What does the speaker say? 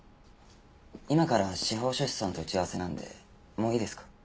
今から司法書士さんと打ち合わせなんでもういいですか？